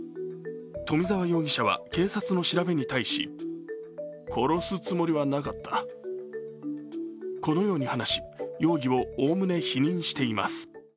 冨澤容疑者は警察の調べに対しこのように話し容疑をおおむね否認しています。